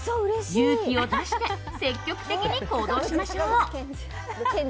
勇気を出して積極的に行動しましょう。